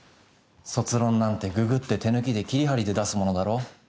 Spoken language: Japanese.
卒論なんてググって手抜きで切り貼りで出すものだろ。